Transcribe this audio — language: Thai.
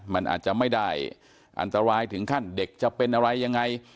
มันอาจจะไม่ได้อันตรายถึงขั้นเด็กจะเป็นอะไรยังไง